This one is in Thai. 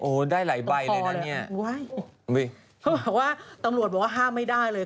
โอ้โหได้หลายใบเลยนะเนี่ยเขาบอกว่าตำรวจบอกว่าห้ามไม่ได้เลย